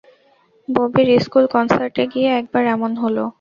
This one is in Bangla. ববির স্কুল কনসার্টে গিয়ে একবার এমন হল।